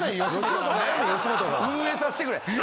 運営さしてくれ。